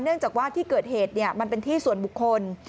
เนื่องจากว่าที่เกิดเหตุมันเป็นที่ส่วนบุคคล